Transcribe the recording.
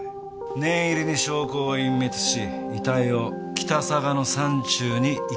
念入りに証拠を隠滅し遺体を北嵯峨の山中に遺棄した。